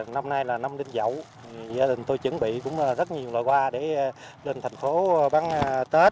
năm nay là năm đinh dậu gia đình tôi chuẩn bị cũng rất nhiều loại hoa để lên thành phố bán tết